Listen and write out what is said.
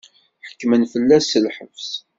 Ḥekmen fell-as s lḥebs.